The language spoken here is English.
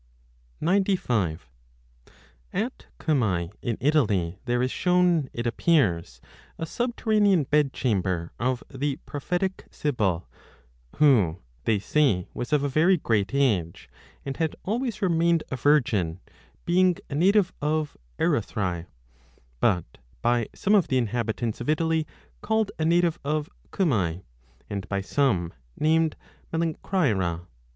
5 At Cumae in Italy there is shown, it appears, a sub 95 terranean bed chamber of the prophetic Sibyl, who, they say, was of a very great age, and had always remained a virgin, being a native of Erythrae, but by some of the 10 inhabitants of Italy called a native of Cumae, and by some named Melancraera.